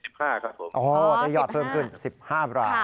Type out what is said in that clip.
อ๋อจะยอดเพิ่มขึ้น๑๕รายครับโอ้๑๕